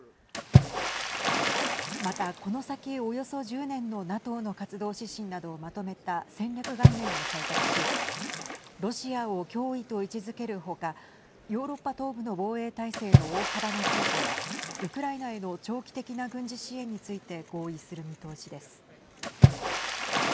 また、この先およそ１０年のＮＡＴＯの活動指針などをまとめた戦略概念を採択しロシアを脅威と位置づけるほかヨーロッパ東部の防衛態勢の大幅な強化やウクライナへの長期的な軍事支援について合意する見通しです。